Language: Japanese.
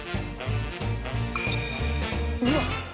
うわっ！